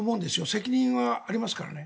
責任がありますから。